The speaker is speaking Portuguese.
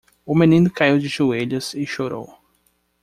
O menino caiu de joelhos e chorou.